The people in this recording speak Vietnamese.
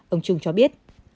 ông trung cho biết